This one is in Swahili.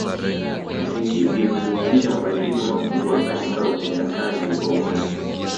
Usingizi huhusisha mabadiliko makubwa katika utendakazi wa ubongo.